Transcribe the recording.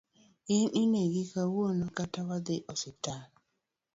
In anegi kawuono kata wadhi osiptal